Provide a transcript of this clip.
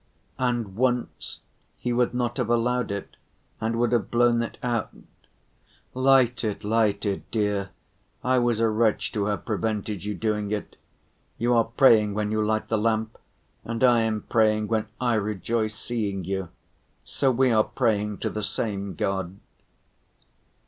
And once he would not have allowed it and would have blown it out. "Light it, light it, dear, I was a wretch to have prevented you doing it. You are praying when you light the lamp, and I am praying when I rejoice seeing you. So we are praying to the same God."